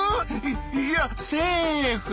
いいやセーフ！